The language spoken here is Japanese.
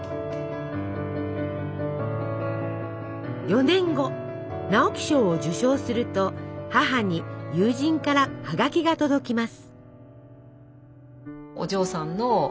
４年後直木賞を受賞すると母に友人から葉書が届きます。